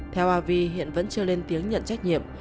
theo avi hiện vẫn chưa lên tiếng nhận trách nhiệm